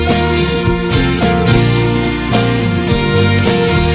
bank indonesia untuk menulis blogger berat mesin